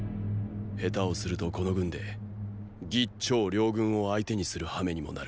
下手をするとこの軍で魏趙両軍を相手にするはめにもなる。